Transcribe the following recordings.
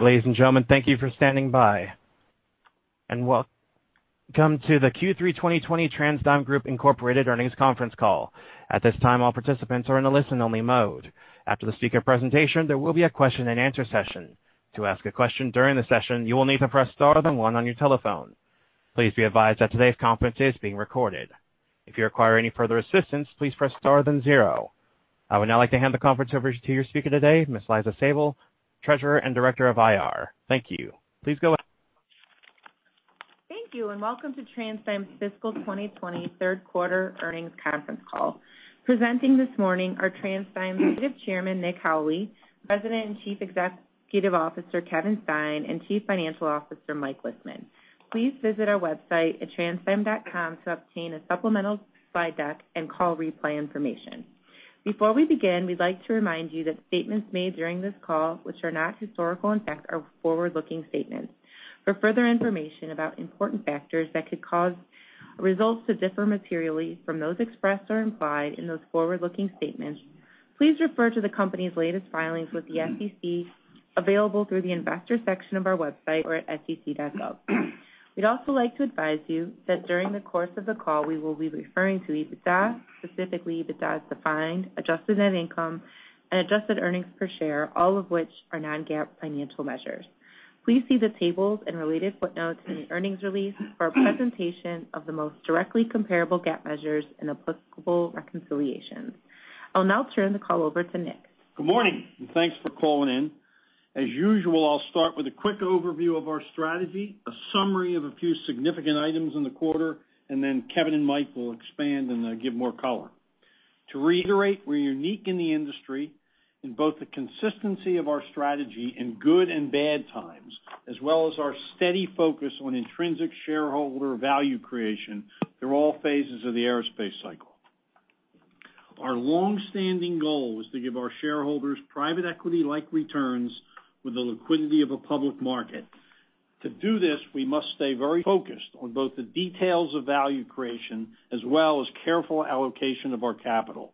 Ladies and gentlemen, thank you for standing by. Welcome to the Q3 2020 TransDigm Group Incorporated earnings conference call. At this time, all participants are in a listen-only mode. After the speaker presentation, there will be a question and answer session. To ask a question during the session, you will need to press star then one on your telephone. Please be advised that today's conference is being recorded. If you require any further assistance, please press star then zero. I would now like to hand the conference over to your speaker today, Ms. Liza Sabol, Treasurer and Director of IR. Thank you. Please go ahead. Thank you. Welcome to TransDigm's fiscal 2020 third quarter earnings conference call. Presenting this morning are TransDigm's Executive Chairman, Nick Howley, President and Chief Executive Officer, Kevin Stein, and Chief Financial Officer, Mike Lisman. Please visit our website at transdigm.com to obtain a supplemental slide deck and call replay information. Before we begin, we'd like to remind you that statements made during this call, which are not historical in fact, are forward-looking statements. For further information about important factors that could cause results to differ materially from those expressed or implied in those forward-looking statements, please refer to the company's latest filings with the SEC, available through the investor section of our website or at sec.gov. We'd also like to advise you that during the course of the call, we will be referring to EBITDA, specifically EBITDA as defined, adjusted net income, and adjusted earnings per share, all of which are non-GAAP financial measures. Please see the tables and related footnotes in the earnings release for a presentation of the most directly comparable GAAP measures and applicable reconciliations. I'll now turn the call over to Nick. Good morning, and thanks for calling in. As usual, I'll start with a quick overview of our strategy and a summary of a few significant items in the quarter, and then Kevin and Mike will expand and give more color. To reiterate, we're unique in the industry in both the consistency of our strategy in good and bad times and our steady focus on intrinsic shareholder value creation through all phases of the aerospace cycle. Our longstanding goal is to give our shareholders private equity-like returns with the liquidity of a public market. To do this, we must stay very focused on both the details of value creation and careful allocation of our capital.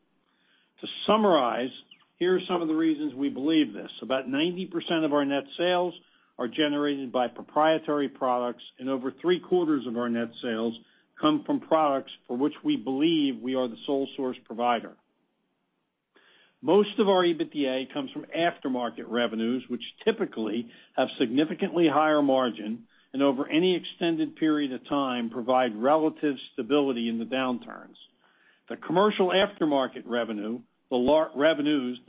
To summarize, here are some of the reasons we believe this. About 90% of our net sales are generated by proprietary products, and over three-quarters of our net sales come from products for which we believe we are the sole source provider. Most of our EBITDA comes from aftermarket revenues, which typically have significantly higher margins and, over any extended period of time, provide relative stability in the downturns. The commercial aftermarket revenues, the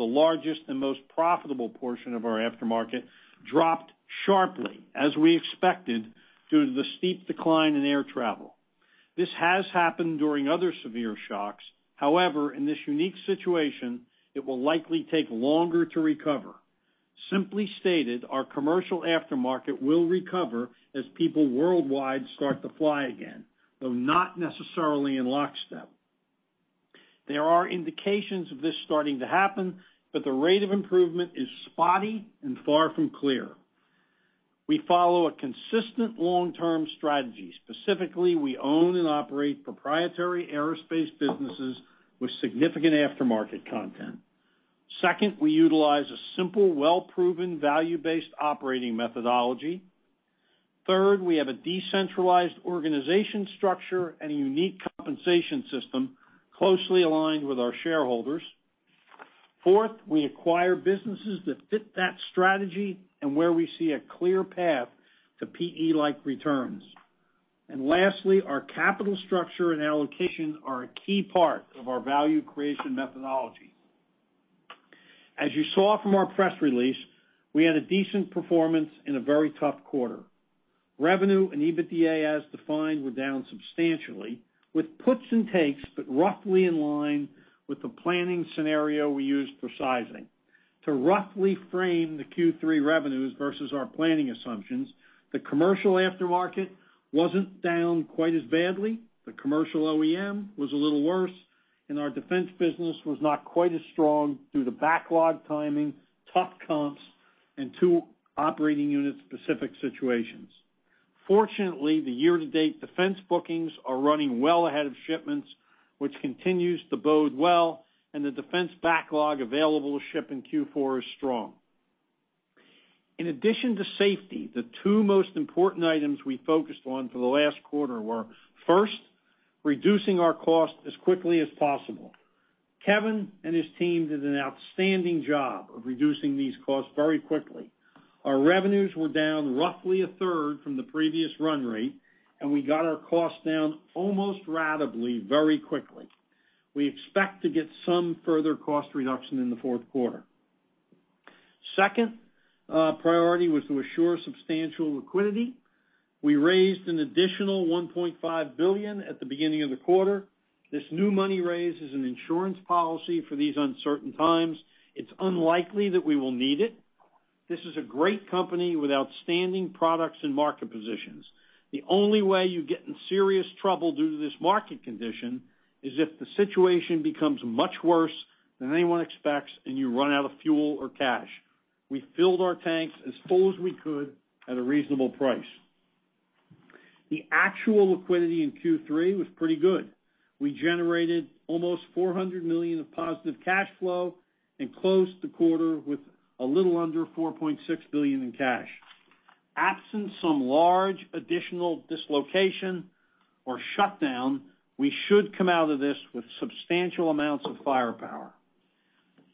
largest and most profitable portion of our aftermarket, dropped sharply, as we expected, due to the steep decline in air travel. This has happened during other severe shocks. However, in this unique situation, it will likely take longer to recover. Simply stated, our commercial aftermarket will recover as people worldwide start to fly again, though not necessarily in lockstep. There are indications of this starting to happen, but the rate of improvement is spotty and far from clear. We follow a consistent long-term strategy. Specifically, we own and operate proprietary aerospace businesses with significant aftermarket content. Second, we utilize a simple, well-proven, value-based operating methodology. Third, we have a decentralized organization structure and a unique compensation system closely aligned with our shareholders. Fourth, we acquire businesses that fit that strategy and where we see a clear path to PE-like returns. Lastly, our capital structure and allocation are a key part of our value creation methodology. As you saw from our press release, we had a decent performance in a very tough quarter. Revenue and EBITDA as defined were down substantially with puts and takes, but roughly in line with the planning scenario we used for sizing. To roughly frame the Q3 revenues versus our planning assumptions, the commercial aftermarket wasn't down quite as badly, the commercial OEM was a little worse, and our defense business was not quite as strong due to backlog timing, tough comps, and two operating unit-specific situations. Fortunately, the year-to-date defense bookings are running well ahead of shipments, which continues to bode well, and the defense backlog available to ship in Q4 is strong. In addition to safety, the two most important items we focused on for the last quarter were, first, reducing our cost as quickly as possible. Kevin and his team did an outstanding job of reducing these costs very quickly. Our revenues were down roughly a third from the previous run rate, and we got our costs down almost ratably very quickly. We expect to get some further cost reduction in the fourth quarter. Second priority was to assure substantial liquidity. We raised an additional $1.5 billion at the beginning of the quarter. This new money raise is an insurance policy for these uncertain times. It's unlikely that we will need it. This is a great company with outstanding products and market positions. The only way you get in serious trouble due to this market condition is if the situation becomes much worse than anyone expects and you run out of fuel or cash. We filled our tanks as full as we could at a reasonable price. The actual liquidity in Q3 was pretty good. We generated almost $400 million of positive cash flow and closed the quarter with a little under $4.6 billion in cash. Absent some large additional dislocation or shutdown, we should come out of this with substantial amounts of firepower.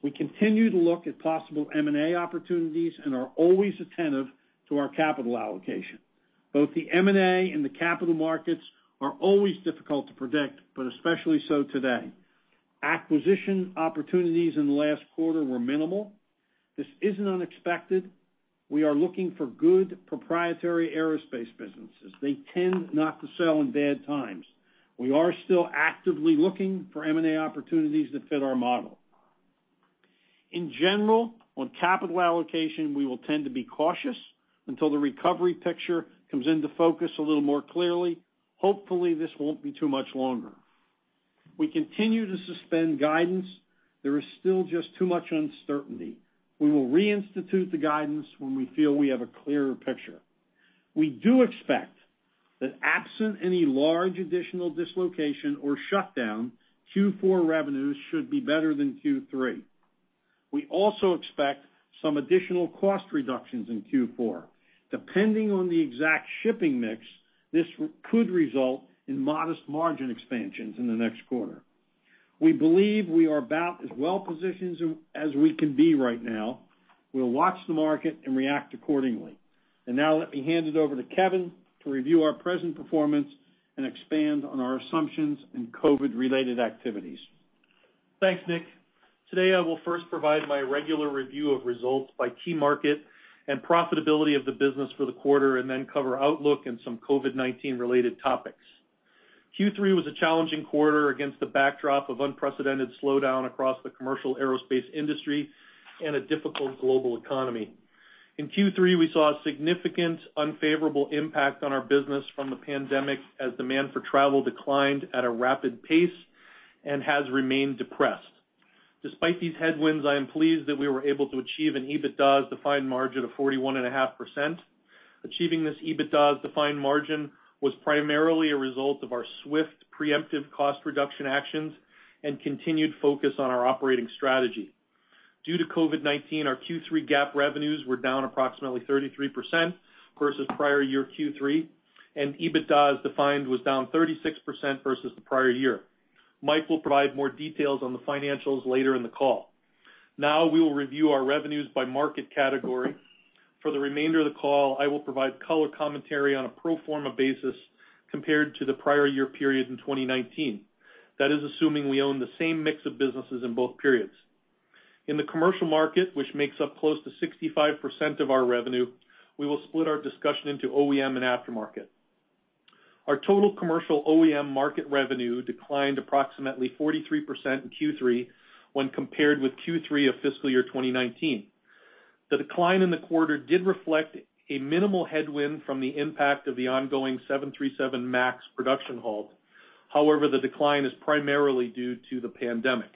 We continue to look at possible M&A opportunities and are always attentive to our capital allocation. Both the M&A and the capital markets are always difficult to predict, but especially so today. Acquisition opportunities in the last quarter were minimal. This isn't unexpected. We are looking for good proprietary aerospace businesses. They tend not to sell in bad times. We are still actively looking for M&A opportunities that fit our model. In general, on capital allocation, we will tend to be cautious until the recovery picture comes into focus a little more clearly. Hopefully, this won't be too much longer. We continue to suspend guidance. There is still just too much uncertainty. We will reinstitute the guidance when we feel we have a clearer picture. We do expect that absent any large additional dislocation or shutdown, Q4 revenues should be better than Q3. We also expect some additional cost reductions in Q4. Depending on the exact shipping mix, this could result in modest margin expansions in the next quarter. We believe we are about as well positioned as we can be right now. We'll watch the market and react accordingly. Now let me hand it over to Kevin to review our present performance and expand on our assumptions and COVID-19-related activities. Thanks, Nick. Today, I will first provide my regular review of results by key market and profitability of the business for the quarter and then cover outlook and some COVID-19 related topics. Q3 was a challenging quarter against the backdrop of an unprecedented slowdown across the commercial aerospace industry and a difficult global economy. In Q3, we saw a significant unfavorable impact on our business from the pandemic, as demand for travel declined at a rapid pace and has remained depressed. Despite these headwinds, I am pleased that we were able to achieve an EBITDA as defined, margin of 41.5%. Achieving this EBITDA as defined margin was primarily a result of our swift preemptive cost reduction actions and continued focus on our operating strategy. Due to COVID-19, our Q3 GAAP revenues were down approximately 33% versus prior year Q3, and EBITDA as defined was down 36% versus the prior year. Mike will provide more details on the financials later in the call. Now, we will review our revenues by market category. For the remainder of the call, I will provide color commentary on a pro forma basis compared to the prior year period in 2019. That is assuming we own the same mix of businesses in both periods. In the commercial market, which makes up close to 65% of our revenue, we will split our discussion into OEM and aftermarket. Our total commercial OEM market revenue declined approximately 43% in Q3 when compared with Q3 of fiscal year 2019. The decline in the quarter did reflect a minimal headwind from the impact of the ongoing 737 MAX production halt. However, the decline is primarily due to the pandemic.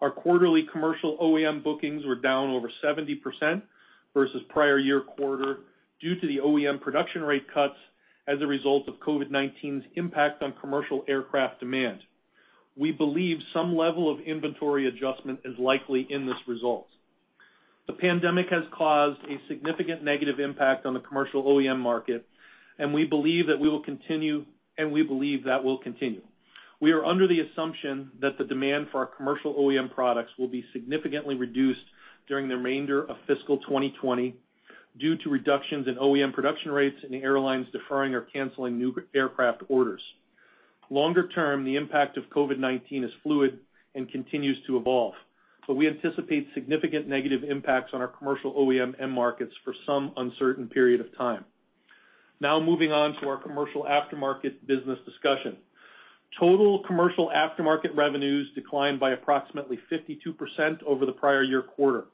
Our quarterly commercial OEM bookings were down over 70% versus the prior year quarter due to the OEM production rate cuts as a result of COVID-19's impact on commercial aircraft demand. We believe some level of inventory adjustment is likely in this result. The pandemic has caused a significant negative impact on the commercial OEM market, and we believe that will continue. We are under the assumption that the demand for our commercial OEM products will be significantly reduced during the remainder of fiscal 2020 due to reductions in OEM production rates and the airlines deferring or canceling new aircraft orders. Longer term, the impact of COVID-19 is fluid and continues to evolve, but we anticipate significant negative impacts on our commercial OEM end markets for some uncertain period of time. Now, moving on to our commercial aftermarket business discussion. Total commercial aftermarket revenues declined by approximately 52% over the prior-year quarter.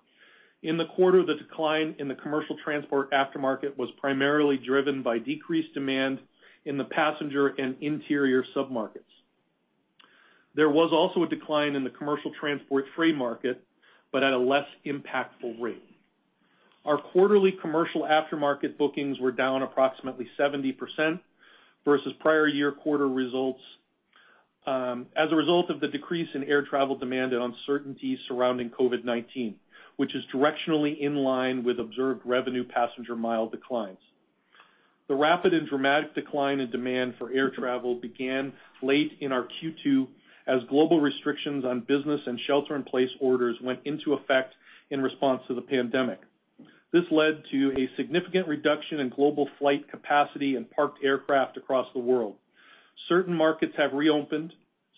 In the quarter, the decline in the commercial transport aftermarket was primarily driven by decreased demand in the passenger and interior sub-markets. There was also a decline in the commercial transport freight market, but at a less impactful rate. Our quarterly commercial aftermarket bookings were down approximately 70% versus prior-year quarter results, as a result of the decrease in air travel demand and uncertainty surrounding COVID-19, which is directionally in line with observed revenue passenger mile declines. The rapid and dramatic decline in demand for air travel began late in our Q2, as global restrictions on business and shelter-in-place orders went into effect in response to the pandemic. This led to a significant reduction in global flight capacity and parked aircraft across the world. Certain markets have reopened,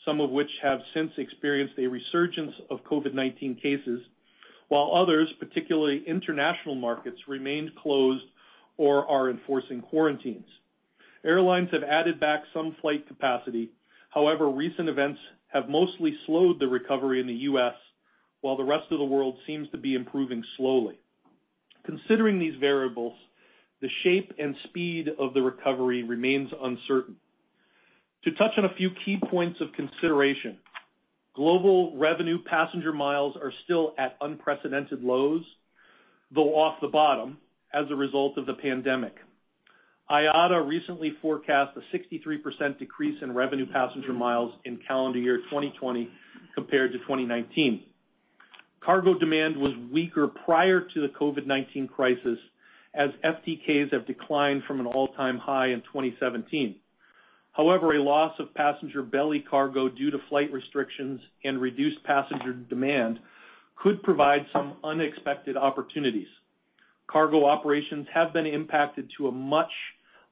some of which have since experienced a resurgence of COVID-19 cases, while others, particularly international markets, remain closed or are enforcing quarantines. Airlines have added back some flight capacity. However, recent events have mostly slowed the recovery in the U.S., while the rest of the world seems to be improving slowly. Considering these variables, the shape and speed of the recovery remain uncertain. To touch on a few key points of consideration, global revenue passenger miles are still at unprecedented lows, though off the bottom, as a result of the pandemic. IATA recently forecast a 63% decrease in revenue passenger miles in calendar year 2020 compared to 2019. Cargo demand was weaker prior to the COVID-19 crisis, as FTKs have declined from an all-time high in 2017. However, a loss of passenger belly cargo due to flight restrictions and reduced passenger demand could provide some unexpected opportunities. Cargo operations have been impacted to a much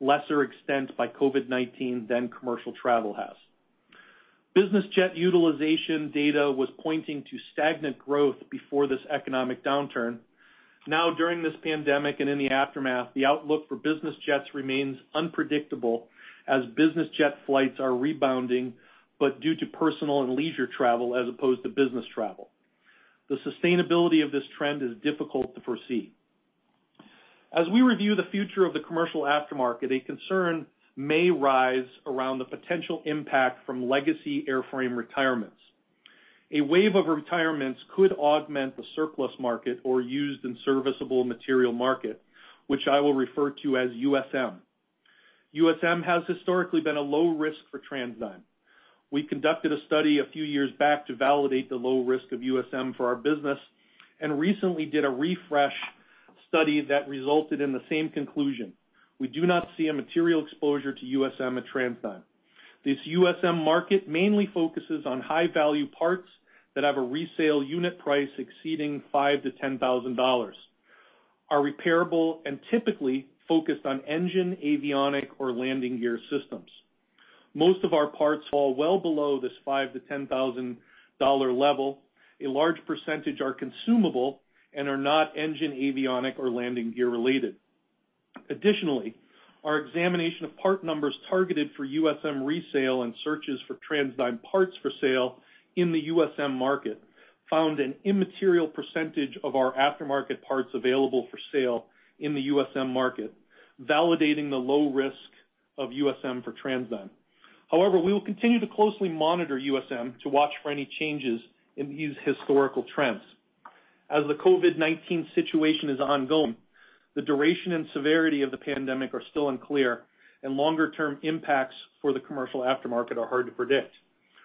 lesser extent by COVID-19 than commercial travel has. Business jet utilization data was pointing to stagnant growth before this economic downturn. Now, during this pandemic and in the aftermath, the outlook for business jets remains unpredictable as business jet flights are rebounding, but due to personal and leisure travel as opposed to business travel. The sustainability of this trend is difficult to foresee. As we review the future of the commercial aftermarket, a concern may rise around the potential impact from legacy airframe retirements. A wave of retirements could augment the surplus market or used and serviceable material market, which I will refer to as USM. USM has historically been a low risk for TransDigm. We conducted a study a few years back to validate the low risk of USM for our business and recently did a refresh study that resulted in the same conclusion. We do not see a material exposure to USM at TransDigm. This USM market mainly focuses on high-value parts that have a resale unit price exceeding $5,000-$10,000, are repairable, and are typically focused on engine, avionic, or landing gear systems. Most of our parts fall well below this $5,000-$10,000 level. A large percentage are consumable and are not engine, avionics, or landing gear related. Additionally, our examination of part numbers targeted for USM resale and searches for TransDigm parts for sale in the USM market found an immaterial percentage of our aftermarket parts available for sale in the USM market, validating the low risk of USM for TransDigm. However, we will continue to closely monitor USM to watch for any changes in these historical trends. As the COVID-19 situation is ongoing, the duration and severity of the pandemic are still unclear, and longer-term impacts for the commercial aftermarket are hard to predict.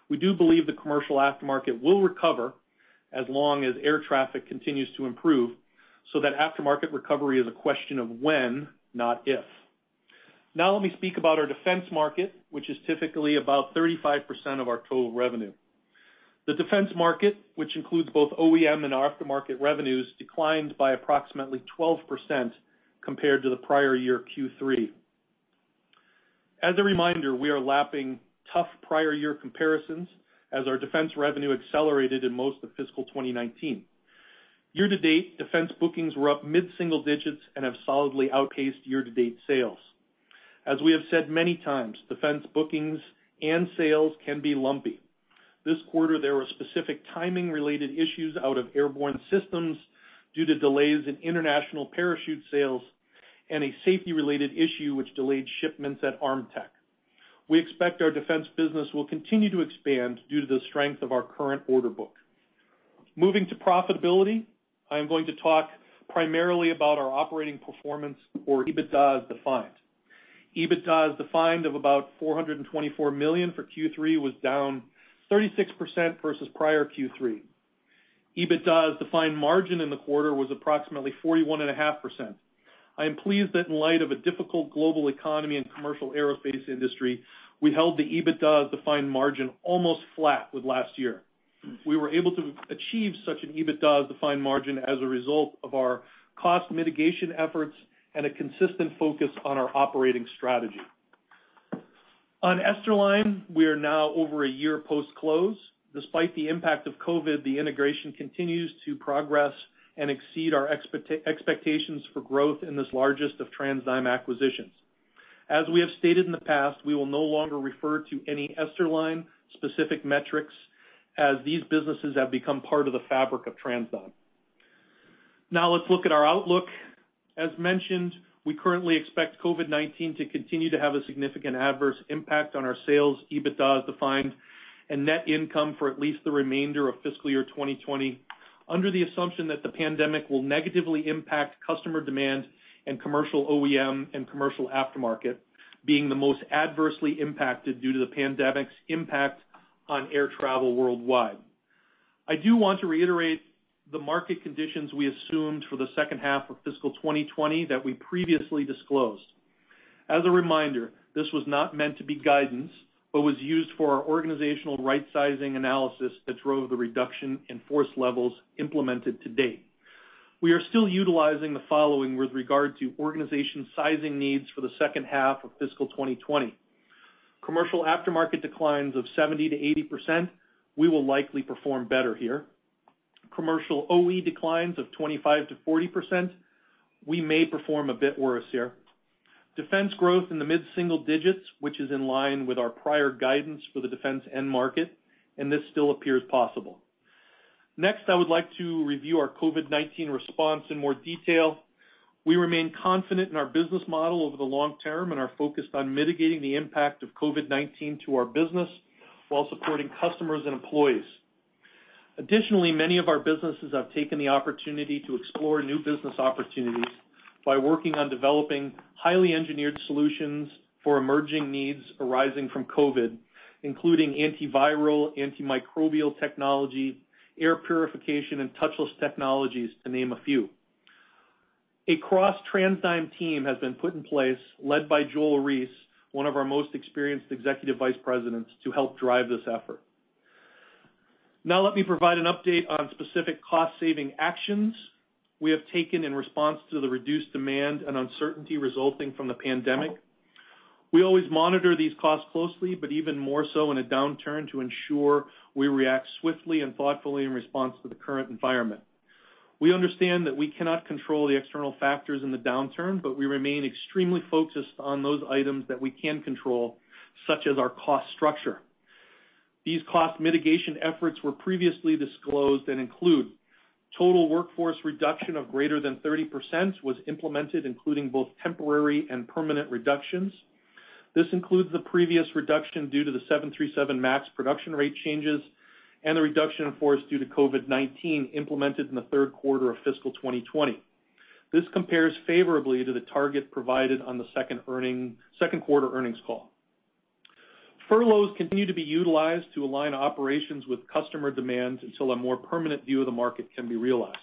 We do believe the commercial aftermarket will recover as long as air traffic continues to improve; that aftermarket recovery is a question of when, not if. Let me speak about our defense market, which is typically about 35% of our total revenue. The defense market, which includes both OEM and aftermarket revenues, declined by approximately 12% compared to the prior year Q3. As a reminder, we are lapping tough prior-year comparisons as our defense revenue accelerated in most of fiscal 2019. Year-to-date, defense bookings were up mid-single digits and have solidly outpaced year-to-date sales. As we have said many times, defense bookings and sales can be lumpy. This quarter, there were specific timing-related issues out of Airborne Systems due to delays in international parachute sales and a safety-related issue that delayed shipments at Armtec. We expect our defense business will continue to expand due to the strength of our current order book. Moving to profitability, I am going to talk primarily about our operating performance or EBITDA as defined. EBITDA, as defined as about $424 million for Q3 was down 36% versus prior Q3. EBITDA, as defined by margin in the quarter, was approximately 41.5%. I am pleased that in light of a difficult global economy and commercial aerospace industry, we held the EBITDA as defined margin almost flat with last year. We were able to achieve such an EBITDA as a defined margin as a result of our cost mitigation efforts and a consistent focus on our operating strategy. On Esterline, we are now over a year post-close. Despite the impact of COVID, the integration continues to progress and exceed our expectations for growth in this largest of the TransDigm acquisitions. As we have stated in the past, we will no longer refer to any Esterline-specific metrics, as these businesses have become part of the fabric of TransDigm. Let's look at our outlook. As mentioned, we currently expect COVID-19 to continue to have a significant adverse impact on our sales, EBITDA as defined, and net income for at least the remainder of fiscal year 2020, under the assumption that the pandemic will negatively impact customer demand, with commercial OEM and commercial aftermarket being the most adversely impacted due to the pandemic's impact on air travel worldwide. I do want to reiterate the market conditions we assumed for the second half of fiscal 2020 that we previously disclosed. As a reminder, this was not meant to be guidance but was used for our organizational rightsizing analysis that drove the reduction in force levels implemented to date. We are still utilizing the following with regard to organization sizing needs for the second half of fiscal 2020. Commercial aftermarket declines of 70%-80%, we will likely perform better here. Commercial OE declines of 25%-40%, we may perform a bit worse here. Defense growth in the mid-single digits, which is in line with our prior guidance for the defense end market. This still appears possible. Next, I would like to review our COVID-19 response in more detail. We remain confident in our business model over the long term and are focused on mitigating the impact of COVID-19 to our business while supporting customers and employees. Additionally, many of our businesses have taken the opportunity to explore new business opportunities by working on developing highly engineered solutions for emerging needs arising from COVID, including antiviral, antimicrobial technology, air purification, and touchless technologies, to name a few. A cross-TransDigm team has been put in place, led by Joel Reiss, one of our most experienced Executive Vice Presidents, to help drive this effort. Now let me provide an update on specific cost-saving actions we have taken in response to the reduced demand and uncertainty resulting from the pandemic. We always monitor these costs closely, but even more so in a downturn to ensure we react swiftly and thoughtfully in response to the current environment. We understand that we cannot control the external factors in the downturn, but we remain extremely focused on those items that we can control, such as our cost structure. These cost mitigation efforts were previously disclosed and include a total workforce reduction of greater than 30% that was implemented, including both temporary and permanent reductions. This includes the previous reduction due to the 737 MAX production rate changes and the reduction of force due to COVID-19 implemented in the third quarter of fiscal 2020. This compares favorably to the target provided on the second quarter earnings call. Furloughs continue to be utilized to align operations with customer demand until a more permanent view of the market can be realized.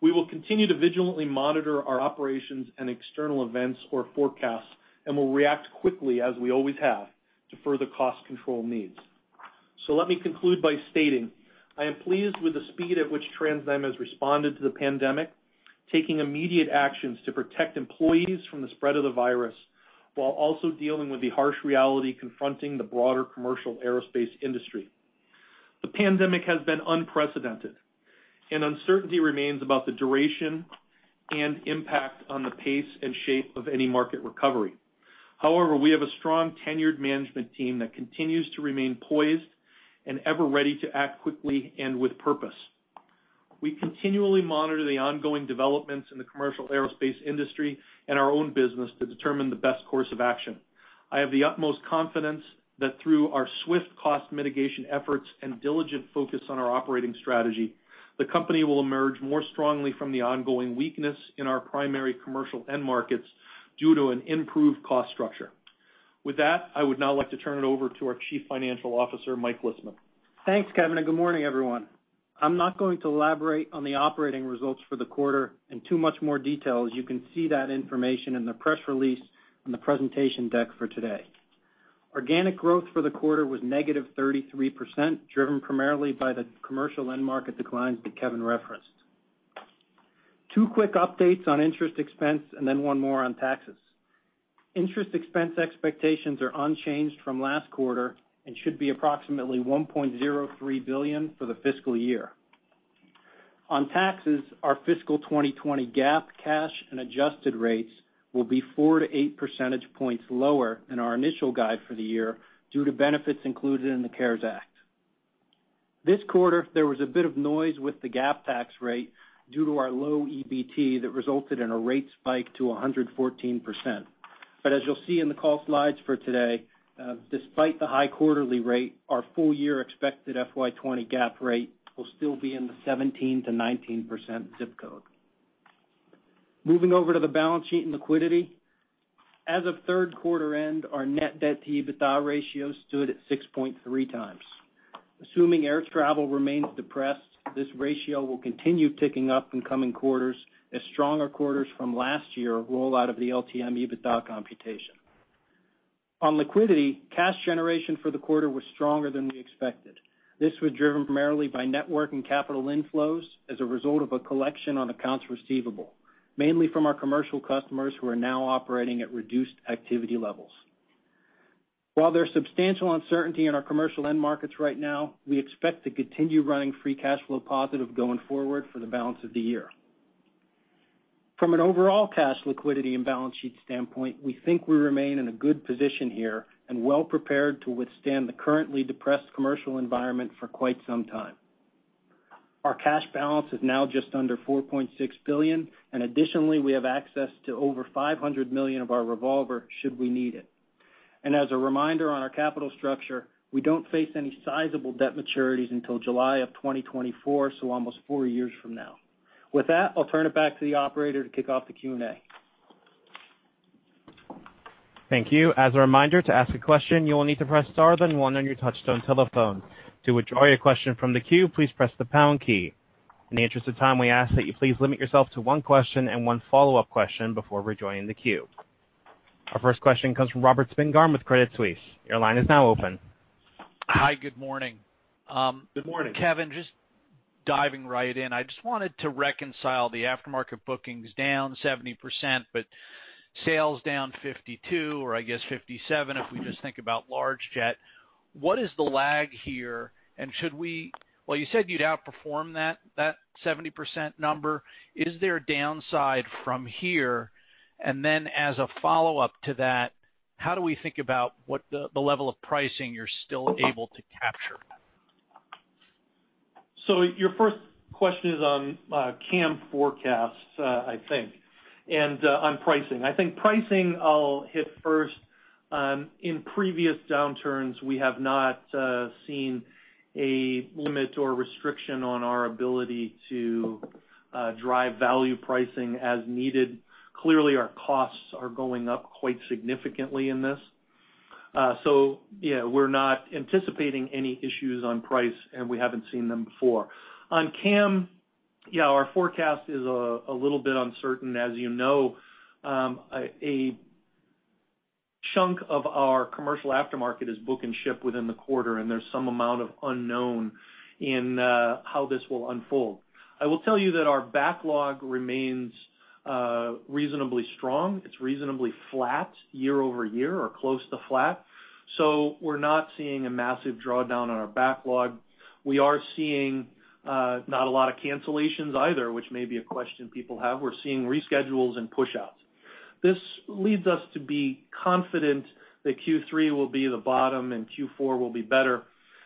We will continue to vigilantly monitor our operations and external events or forecasts and will react quickly, as we always have, to further cost-control needs. Let me conclude by stating, I am pleased with the speed at which TransDigm has responded to the pandemic, taking immediate actions to protect employees from the spread of the virus, while also dealing with the harsh reality confronting the broader commercial aerospace industry. The pandemic has been unprecedented, and uncertainty remains about the duration and impact on the pace and shape of any market recovery. However, we have a strong tenured management team that continues to remain poised and ever ready to act quickly and with purpose. We continually monitor the ongoing developments in the commercial aerospace industry and our own business to determine the best course of action. I have the utmost confidence that through our swift cost mitigation efforts and diligent focus on our operating strategy, the company will emerge more strongly from the ongoing weakness in our primary commercial end markets due to an improved cost structure. With that, I would now like to turn it over to our Chief Financial Officer, Mike Lisman. Thanks, Kevin, and good morning, everyone. I'm not going to elaborate on the operating results for the quarter in too much more detail, as you can see that information in the press release on the presentation deck for today. Organic growth for the quarter was negative 33%, driven primarily by the commercial end market declines that Kevin referenced. Two quick updates on interest expense and then one more on taxes. Interest expense expectations are unchanged from last quarter and should be approximately $1.03 billion for the fiscal year. On taxes, our fiscal 2020 GAAP, cash, and adjusted rates will be four to eight percentage points lower than our initial guide for the year due to benefits included in the CARES Act. This quarter, there was a bit of noise with the GAAP tax rate due to our low EBT that resulted in a rate spike to 114%. As you'll see in the call slides for today, despite the high quarterly rate, our full-year expected FY 2020 GAAP rate will still be in the 17%-19% zip code. Moving over to the balance sheet and liquidity. As of third quarter end, our net debt to EBITDA ratio stood at 6.3x. Assuming air travel remains depressed, this ratio will continue ticking up in coming quarters as stronger quarters from last year roll out of the LTM EBITDA computation. On liquidity, cash generation for the quarter was stronger than we expected. This was driven primarily by net working and capital inflows as a result of a collection on accounts receivable, mainly from our commercial customers who are now operating at reduced activity levels. While there's substantial uncertainty in our commercial end markets right now, we expect to continue running free cash flow positive going forward for the balance of the year. From an overall cash liquidity and balance sheet standpoint, we think we remain in a good position here and well prepared to withstand the currently depressed commercial environment for quite some time. Our cash balance is now just under $4.6 billion. Additionally, we have access to over $500 million of our revolver should we need it. As a reminder on our capital structure, we don't face any sizable debt maturities until July of 2024, so almost four years from now. With that, I'll turn it back to the operator to kick off the Q&A. Thank you. As a reminder, to ask a question, you will need to press star then one on your touchtone telephone. To withdraw your question from the queue, please press the pound key. In the interest of time, we ask that you please limit yourself to one question and one follow-up question before rejoining the queue. Our first question comes from Robert Spingarn with Credit Suisse. Your line is now open. Hi, good morning. Good morning. Kevin, just diving right in. I just wanted to reconcile the aftermarket bookings down 70% but sales down 52%, or I guess 57%, if we just think about large jets. What is the lag here? Well, you said you'd outperform that 70% number. Is there a downside from here? As a follow-up to that. How do we think about what the level of pricing you're still able to capture is? Your first question is on CAM forecasts, I think, and on pricing. I think pricing is what I'll hit first. In previous downturns, we have not seen a limit or restriction on our ability to drive value pricing as needed. Clearly, our costs are going up quite significantly in this. Yeah, we're not anticipating any issues on price, and we haven't seen them before. On CAM, yeah, our forecast is a little bit uncertain. As you know, a chunk of our commercial aftermarket is booked and shipped within the quarter, and there's some amount of unknown in how this will unfold. I will tell you that our backlog remains reasonably strong. It's reasonably flat year-over-year or close to flat. We're not seeing a massive drawdown on our backlog. We are seeing not a lot of cancellations either, which may be a question people have. We're seeing reschedules and pushouts. This leads us to be confident that Q3 will be the bottom and Q4 will be better.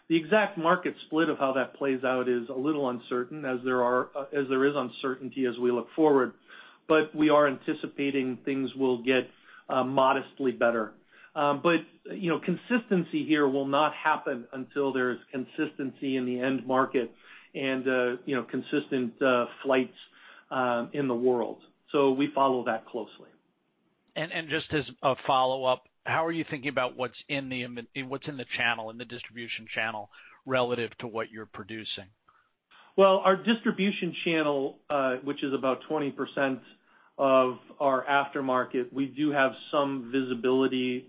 The exact market split of how that plays out is a little uncertain as there is uncertainty as we look forward, but we are anticipating things will get modestly better. Consistency here will not happen until there's consistency in the end market and consistent flights in the world. We follow that closely. Just as a follow-up, how are you thinking about what's in the channel, in the distribution channel, relative to what you're producing? Well, our distribution channel, which is about 20% of our aftermarket, does have some visibility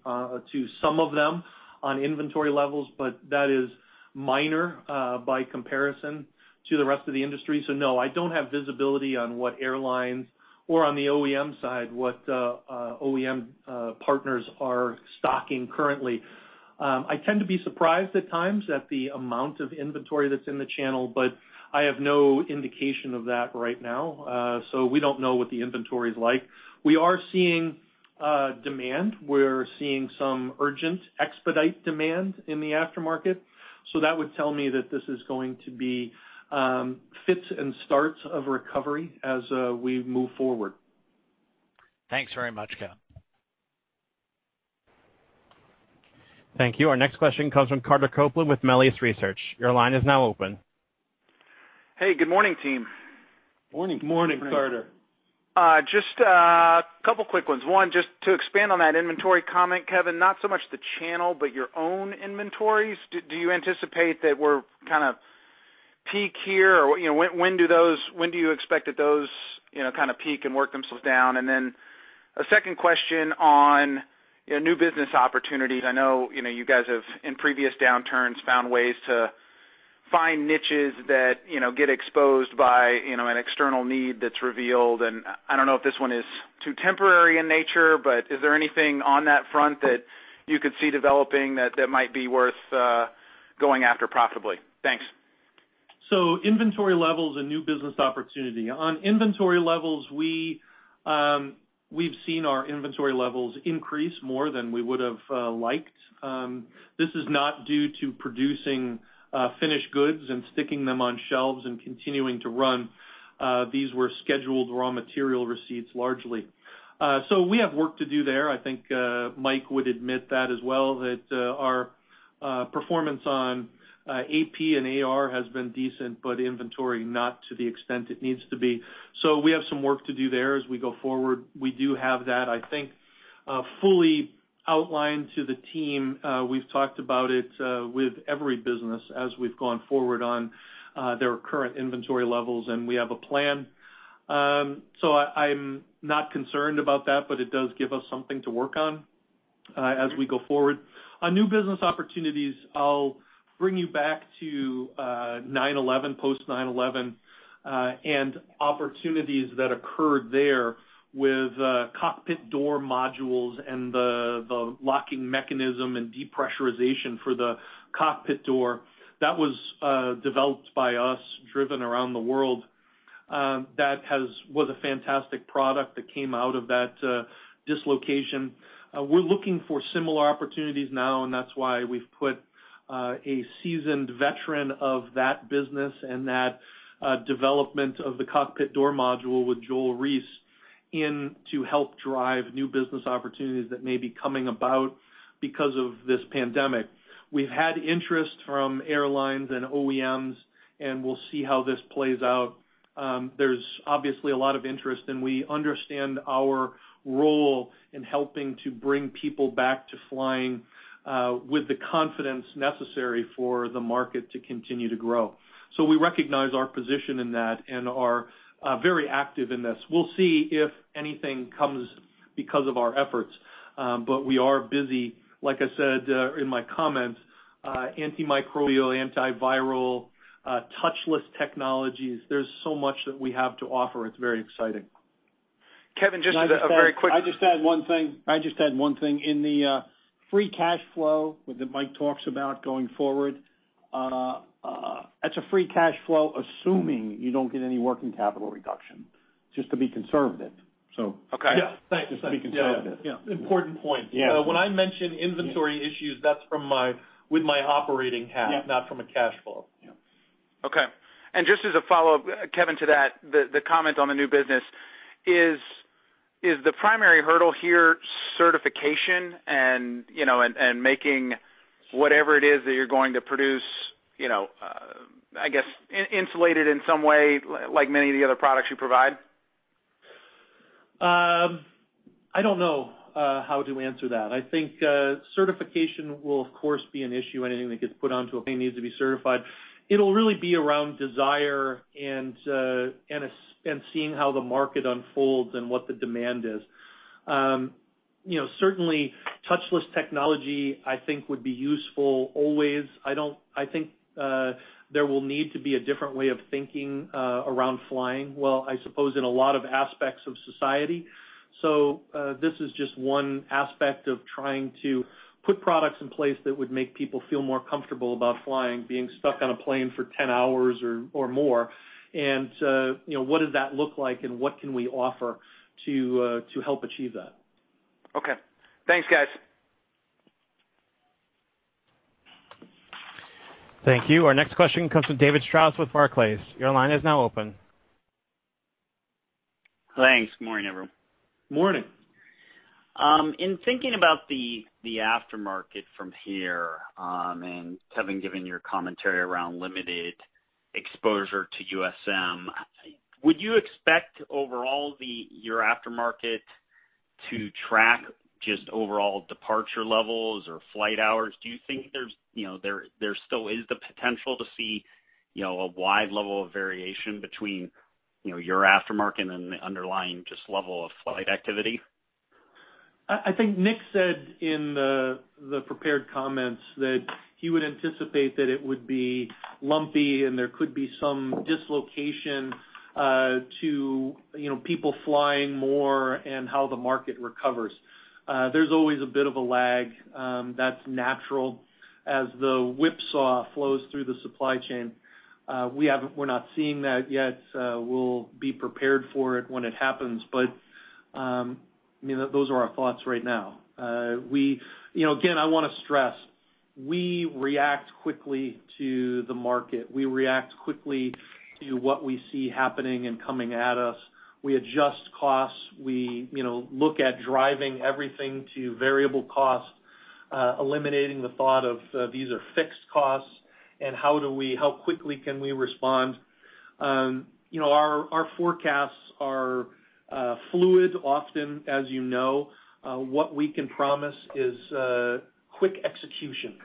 to some of them on inventory levels, but that is minor by comparison to the rest of the industry. No, I don't have visibility on what airlines or, on the OEM side, what OEM partners are stocking currently. I tend to be surprised at times at the amount of inventory that's in the channel, but I have no indication of that right now. We don't know what the inventory's like. We are seeing demand. We're seeing some urgent expedite demand in the aftermarket. That would tell me that this is going to be fits and starts of recovery as we move forward. Thanks very much, Kevin. Thank you. Our next question comes from Carter Copeland with Melius Research. Your line is now open. Hey, good morning, team. Morning. Morning, Carter Just a couple quick ones. One, just to expand on that inventory comment, Kevin, is not so much the channel but your own inventories. Do you anticipate that we're kind of peaking here? When do you expect those kinds of peaks and work themselves down? A second question on new business opportunities. I know you guys have, in previous downturns, found ways to find niches that get exposed by an external need that's revealed, and I don't know if this one is too temporary in nature, but is there anything on that front that you could see developing that might be worth going after profitably? Thanks. Inventory levels and new business opportunities. On inventory levels, we've seen our inventory levels increase more than we would have liked. This is not due to producing finished goods and sticking them on shelves and continuing to run. These were scheduled raw material receipts largely. We have work to do there. I think Mike would admit that as well, that our performance on AP and AR has been decent, but inventory not to the extent it needs to be. We have some work to do there as we go forward. We do have that, I think, fully outlined to the team. We've talked about it with every business as we've gone forward on their current inventory levels, and we have a plan. I'm not concerned about that, but it does give us something to work on as we go forward. On new business opportunities, I'll bring you back to post 9/11 and opportunities that occurred there with cockpit door modules and the locking mechanism and depressurization for the cockpit door. That was developed by us, driven around the world. That was a fantastic product that came out of that dislocation. We're looking for similar opportunities now, and that's why we've put a seasoned veteran of that business and that development of the cockpit door module with Joel Reiss in to help drive new business opportunities that may be coming about because of this pandemic. We've had interest from airlines and OEMs, and we'll see how this plays out. There's obviously a lot of interest, and we understand our role in helping to bring people back to flying with the confidence necessary for the market to continue to grow. We recognize our position in that and are very active in this. We'll see if anything comes because of our efforts, but we are busy, like I said in my comments, with antimicrobial and antiviral touchless technologies. There's so much that we have to offer. It's very exciting. Kevin, just very. I just had one thing. In the Free cash flow that Mike talks about going forward—that's a free cash flow assuming you don't get any working capital reduction, just to be conservative. Okay. Yes. Thanks. Just to be conservative. Yeah. Important point. Yeah. When I mention inventory issues, that's with my operating hat. Yeah not from a cash flow. Yeah. Okay. Just as a follow-up, Kevin, to that, the comment on the new business is the primary hurdle here: certification and making whatever it is that you're going to produce, I guess, insulated in some way, like many of the other products you provide? I don't know how to answer that. I think certification will, of course, be an issue. Anything that gets put onto a plane needs to be certified. It'll really be around desire and seeing how the market unfolds and what the demand is. Certainly touchless technology, I think, would be useful always. I think there will need to be a different way of thinking around flying, well, I suppose in a lot of aspects of society. This is just one aspect of trying to put products in place that would make people feel more comfortable about flying, being stuck on a plane for 10 hours or more. What does that look like and what can we offer to help achieve that? Okay. Thanks, guys. Thank you. Our next question comes from David Strauss with Barclays. Your line is now open. Thanks. Good morning, everyone. Morning. In thinking about the aftermarket from here and having given your commentary around limited exposure to USM, would you expect, overall, your aftermarket to track just overall departure levels or flight hours? Do you think there still is the potential to see a wide level of variation between your aftermarket and the underlying, just level of flight activity? I think Nick said in the prepared comments that he would anticipate that it would be lumpy and there could be some dislocation to people flying more and how the market recovers. There's always a bit of a lag. That's natural as the whipsaw flows through the supply chain. We're not seeing that yet. We'll be prepared for it when it happens; those are our thoughts right now. Again, I want to stress that we react quickly to the market. We react quickly to what we see happening and coming at us. We adjust costs. We look at driving everything to variable costs, eliminating the thought of these being fixed costs, and how quickly can we respond. Our forecasts are fluid, often, as you know. What we can promise is quick execution,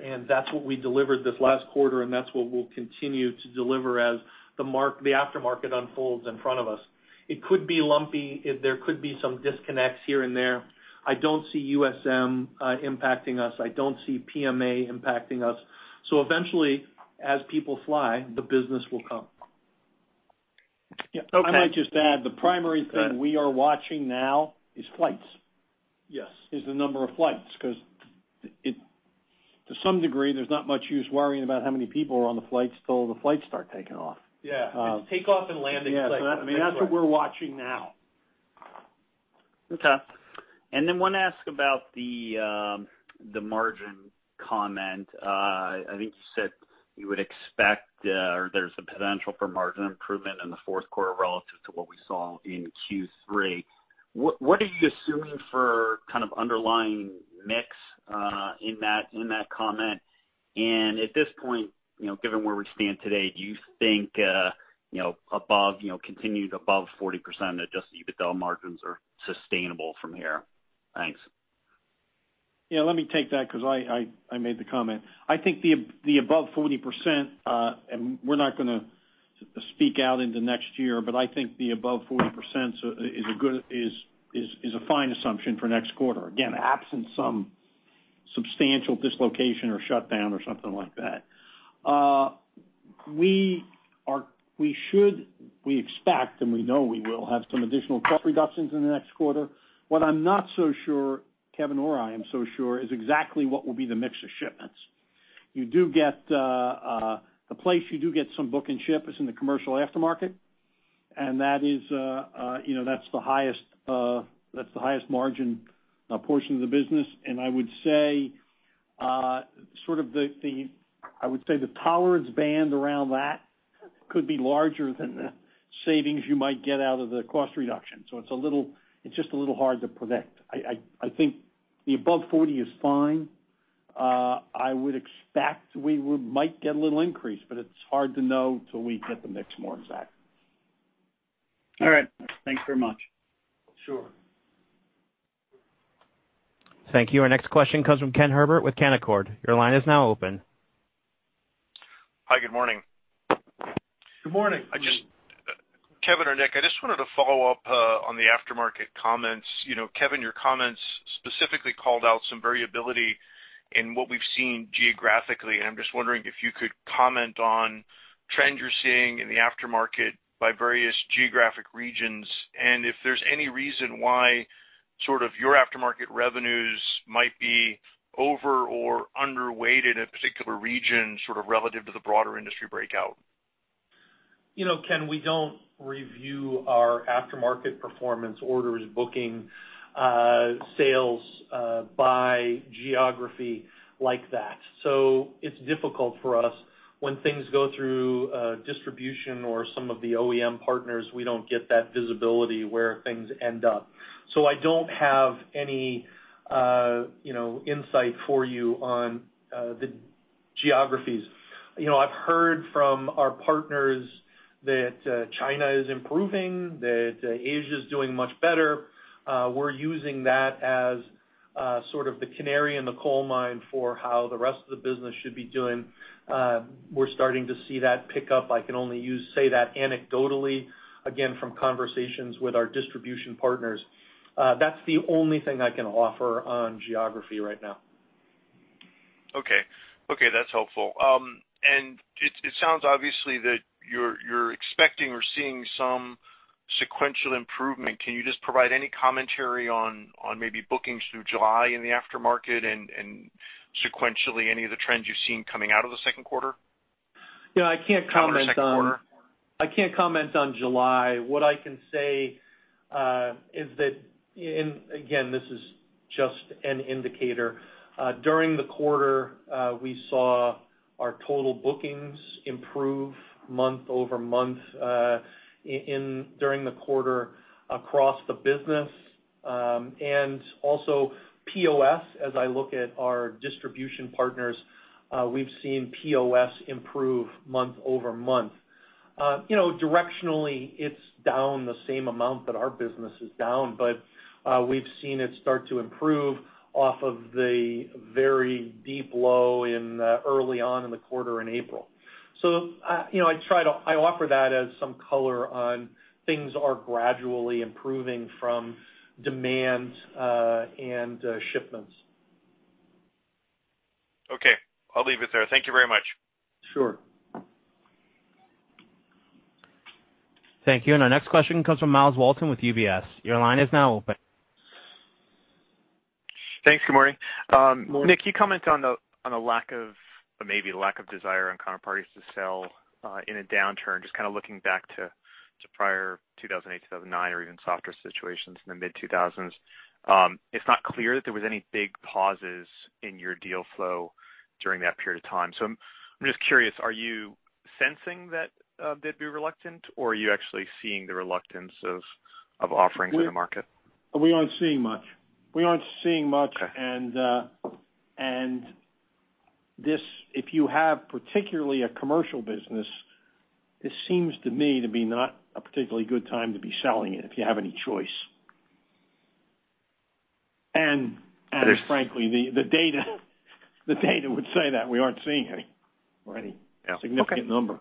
and that's what we delivered this last quarter, and that's what we'll continue to deliver as the aftermarket unfolds in front of us. It could be lumpy. There could be some disconnects here and there. I don't see USM impacting us. I don't see PMA impacting us. Eventually, as people fly, the business will come. Okay. I might just add, the primary thing we are watching now is flights. Yes. Is the number of flights, because to some degree, there's not much use worrying about how many people are on the flights till the flights start taking off. Yeah. It's takeoff and landing flights. Yeah. That's what we're watching now. Okay. Then I want to ask about the margin comment. I think you said you would expect there to be a potential for margin improvement in the fourth quarter relative to what we saw in Q3. What are you assuming kind of underlying mix in that comment? At this point, given where we stand today, do you think continued adjusted EBITDA margins above 40% are sustainable from here? Thanks. Yeah, let me take that because I made the comment. I think the above 40%, and we're not going to speak out until next year, but I think the above 40% is a fine assumption for next quarter. Again, absent some substantial dislocation or shutdown or something like that. We expect, and we know we will, have some additional cost reductions in the next quarter. What I'm not so sure of, Kevin or I am not so sure of, is exactly what will be the mix of shipments. The place where you do get some books and ship them is in the commercial aftermarket, and that's the highest-margin portion of the business, and I would say the tolerance band around that could be larger than the savings you might get out of the cost reduction. It's just a little hard to predict. I think the above 40% is fine. I would expect we might get a little increase, but it's hard to know till we get the mix more exact. All right. Thanks very much. Sure. Thank you. Our next question comes from Ken Herbert with Canaccord. Your line is now open. Hi, good morning. Good morning. Kevin or Nick, I just wanted to follow up on the aftermarket comments. Kevin, your comments specifically called out some variability and what we've seen geographically, and I'm just wondering if you could comment on trends you're seeing in the aftermarket by various geographic regions and if there's any reason why your aftermarket revenues might be over- or underweighted in a particular region, sort of relative to the broader industry breakout. Ken, we don't review our aftermarket performance, orders, bookings, or sales by geography like that. It's difficult for us when things go through distribution or some of the OEM partners; we don't get that visibility where things end up. I don't have any insight for you on the geographies. I've heard from our partners that China is improving, that Asia is doing much better. We're using that as sort of the canary in the coal mine for how the rest of the business should be doing. We're starting to see that pick up. I can only say that anecdotally, again, from conversations with our distribution partners. That's the only thing I can offer on geography right now. Okay. That's helpful. It sounds obvious that you're expecting or seeing some sequential improvement. Can you just provide any commentary on maybe bookings through July in the aftermarket and sequentially, any of the trends you've seen coming out of the second quarter? I can't comment on July. What I can say is that, again, this is just an indicator. During the quarter, we saw our total bookings improve month-over-month during the quarter across the business. Also POS, as I look at our distribution partners, we've seen POS improve month over month. Directionally, it's down the same amount that our business is down, but we've seen it start to improve off of the very deep low early on in the quarter in April. I offer that as some color on things gradually improving from demand and shipments. Okay. I'll leave it there. Thank you very much. Sure. Thank you. Our next question comes from Myles Walton with UBS. Your line is now open. Thanks. Good morning. Morning. Nick, you comment on the maybe lack of desire on counterparties to sell in a downturn, just kind of looking back to prior 2008, 2009 or even softer situations in the mid-2000s. It's not clear that there was any big pauses in your deal flow during that period of time. I'm just curious, are you sensing that they'd be reluctant, or are you actually seeing the reluctance of offerings in the market? We aren't seeing much. Okay. If you have a particularly commercial business, this seems to me to be not a particularly good time to be selling it, if you have any choice. Frankly, the data would say that we aren't seeing any or any significant number.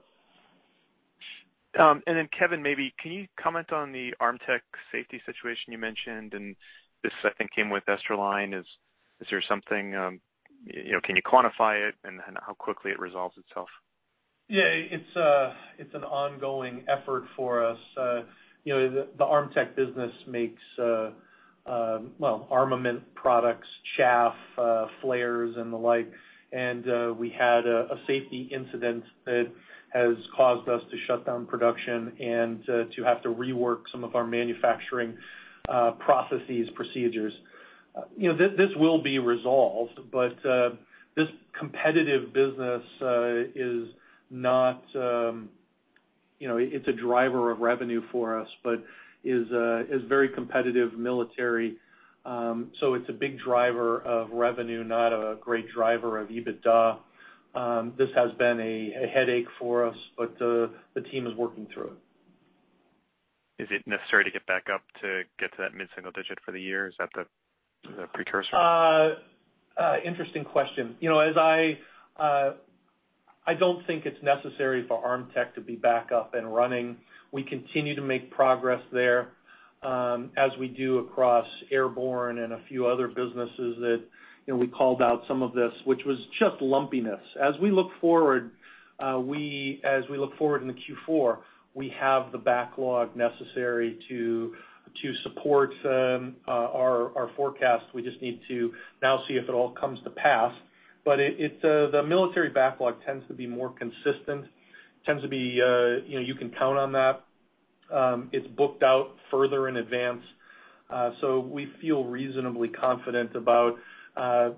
Kevin, maybe you can comment on the Armtec safety situation you mentioned, and this, I think, came with Esterline. Can you quantify it and how quickly it resolves itself? Yeah. It's an ongoing effort for us. The Armtec business makes armament products, chaff, flares, and the like. We had a safety incident that has caused us to shut down production and to have to rework some of our manufacturing processes and procedures. This will be resolved, but this competitive business is a driver of revenue for us but is very competitive militarily. It's a big driver of revenue, not a great driver of EBITDA. This has been a headache for us, but the team is working through it. Is it necessary to get back up to get to that mid-single digit for the year? Is that the precursor? Interesting question. I don't think it's necessary for Armtec to be back up and running. We continue to make progress there, as we do across Airborne and a few other businesses that we called out some of this for, which was just lumpiness. We look forward to Q4; we have the backlog necessary to support our forecast. We just need to now see if it all comes to pass. The military backlog tends to be more consistent. You can count on that. It's booked out further in advance. We feel reasonably confident about the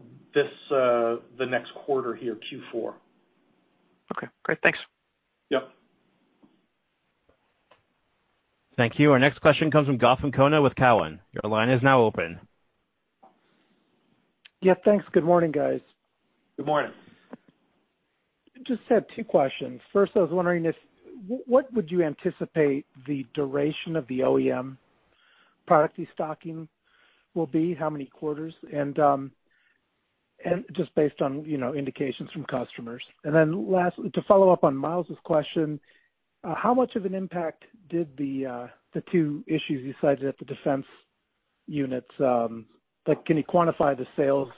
next quarter here, Q4. Okay, great. Thanks. Yep. Thank you. Our next question comes from Gautam Khanna with Cowen. Your line is now open. Yeah, thanks. Good morning, guys. Good morning. Just have two questions. First, I was wondering, what would you anticipate the duration of the OEM product de-stocking to be? How many quarters, just based on indications from customers? Lastly, to follow up on Myles's question How much of an impact did the two issues you cited at the defense units, can you quantify the sales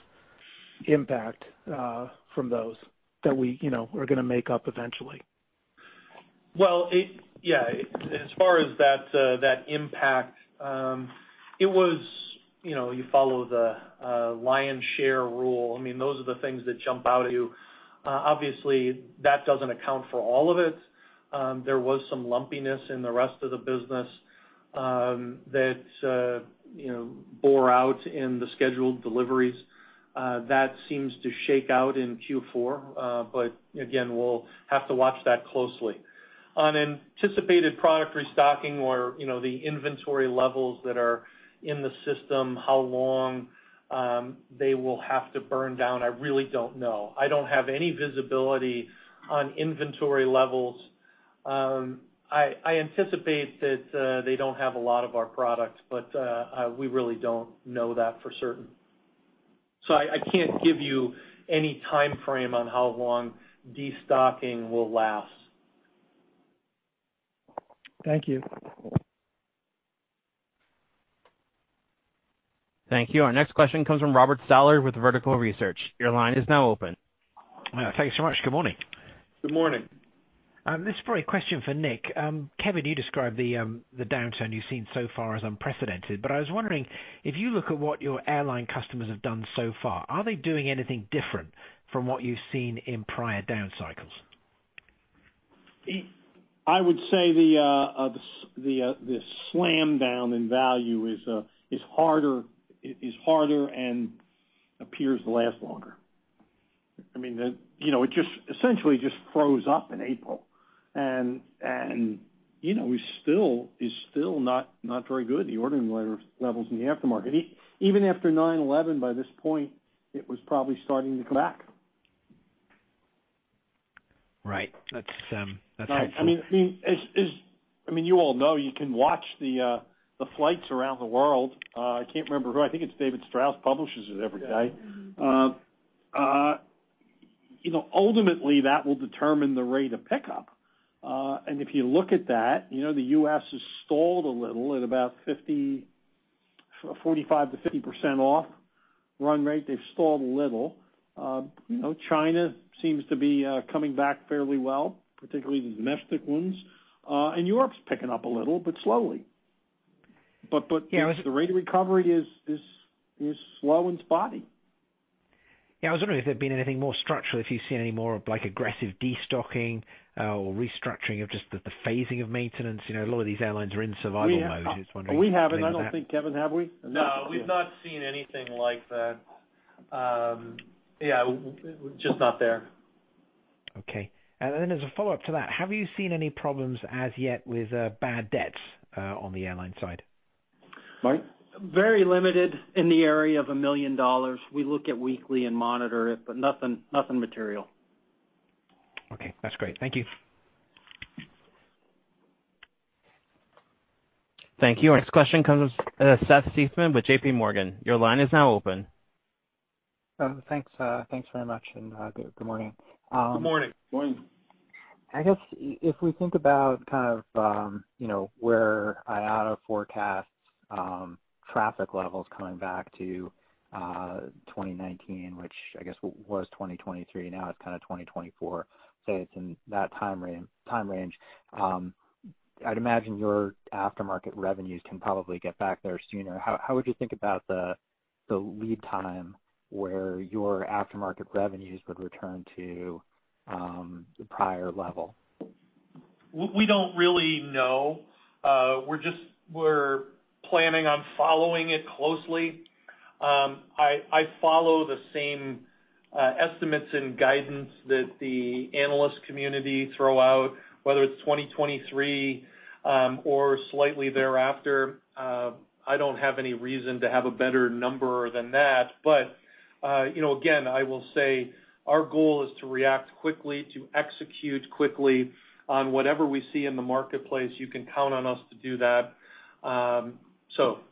impact from those that we are going to make up eventually? Well, yeah. As far as that impact, you follow the lion's share rule. Those are the things that jump out at you. Obviously, that doesn't account for all of it. There was some lumpiness in the rest of the business that bore out in the scheduled deliveries. That seems to shake out in Q4. Again, we'll have to watch that closely. On anticipated product restocking or the inventory levels that are in the system, how long they will have to burn down, I really don't know. I don't have any visibility on inventory levels. I anticipate that they don't have a lot of our products, but we really don't know that for certain. I can't give you any timeframe on how long destocking will last. Thank you. Thank you. Our next question comes from Robert Stallard with Vertical Research. Your line is now open. Thank you so much. Good morning. Good morning. This is probably a question for Nick. Kevin, you described the downturn you've seen so far as unprecedented, but I was wondering, if you look at what your airline customers have done so far, are they doing anything different from what you've seen in prior down cycles? I would say the slam down in value is harder and appears to last longer. It essentially just froze up in April and is still not very good: the ordering levels in the aftermarket. Even after 9/11, by this point, it was probably starting to come back. Right. That's helpful. You all know you can watch the flights around the world. I can't remember who. I think it's David Strauss who publishes it every day. Yeah. Ultimately, that will determine the rate of pickup. If you look at that, the U.S. has stalled a little at about 45%-50% of its run rate. They've stalled a little. China seems to be coming back fairly well, particularly the domestic ones. Europe's picking up a little, but slowly. The rate of recovery is slow and spotty. Yeah, I was wondering if there'd been anything more structural, if you've seen any more aggressive destocking or restructuring of just the phasing of maintenance. A lot of these airlines are in survival mode. Just wondering if you've seen that? We haven't, I don't think, Kevin, have we? No, we've not seen anything like that. Yeah, just not there. Okay. As a follow-up to that, have you seen any problems as yet with bad debts on the airline side? Mike? Very limited, in the area of $1 million. We look at weekly and monitor it, but nothing material. Okay. That's great. Thank you. Thank you. Our next question comes from Seth Seifman with JPMorgan. Your line is now open. Thanks very much, and good morning. Good morning. Morning. I guess if we think about where IATA forecasts traffic levels coming back to 2019, which I guess was 2023, now it's 2024; say it's in that time range. I'd imagine your aftermarket revenues can probably get back there sooner. How would you think about the lead time where your aftermarket revenues would return to the prior level? We don't really know. We're planning on following it closely. I follow the same estimates and guidance that the analyst community throws out, whether it's 2023 or slightly thereafter. I don't have any reason to have a better number than that. Again, I will say our goal is to react quickly, to execute quickly on whatever we see in the marketplace. You can count on us to do that.